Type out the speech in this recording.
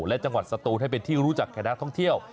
และจังหวัดสตูนให้เป็นที่รู้จักคณะท่องเที่ยว